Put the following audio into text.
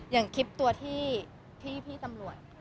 อย่างคลิปตัวที่พี่ตำรวจ